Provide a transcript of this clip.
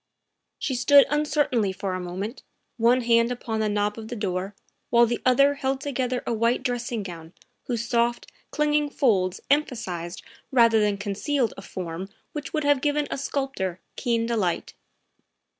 She stood uncertainly for a moment, one hand upon the knob of the door while the other held together a white dressing gown whose soft, clinging folds empha sized rather than concealed a form which would have given a sculptor keen delight.